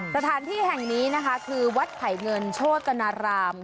สถานที่แห่งนี้นะคะคือวัดไผ่เงินโชตนาราม